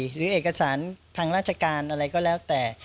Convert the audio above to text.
หรือเอกสารทางราชการอะไรก็แล้วแต่